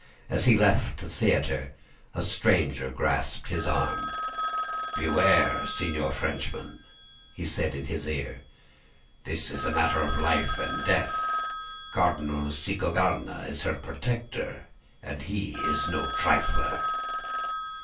As he left the theatre, a stranger grasped his arm. "'Beware, Signor Frenchman,' he said in his ear. 'This is a matter of life and death. Cardinal Cicognara is her protector, and he is no trifler.